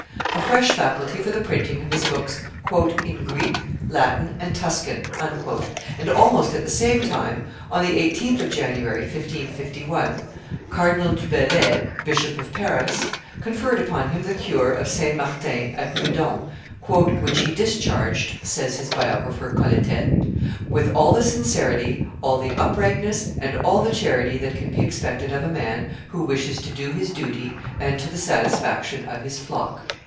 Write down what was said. a fresh faculty for the printing of his books "in Greek, Latin, and Tuscan;" and, almost at the same time, on the 18th of January, 1551, Cardinal Du Bellay, Bishop of Paris, conferred upon him the cure of St. Martin at Meudon, "which he discharged," says his biographer Colletet, "with all the sincerity, all the uprightness, and all the charity that can be expected of a man who wishes to do his duty, and to the satisfaction of his flock."